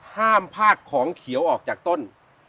พากของเขียวออกจากต้น